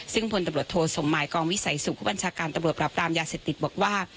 ซึ่งพลตำรวจโทสมหมายกองวิสัยสุขผู้บัญชาการตำรวจปราบรามยาเสพติดบอกว่า